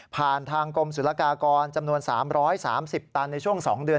ทางกรมศุลกากรจำนวน๓๓๐ตันในช่วง๒เดือน